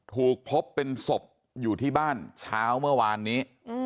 ถูกพบเป็นศพอยู่ที่บ้านเช้าเมื่อวานนี้